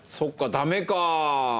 ダメか。